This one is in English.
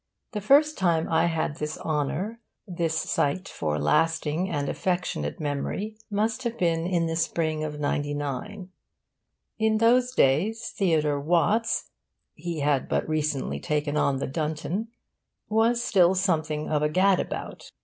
The first time I had this honour, this sight for lasting and affectionate memory, must have been in the Spring of '99. In those days Theodore Watts (he had but recently taken on the Dunton) was still something of a gad about.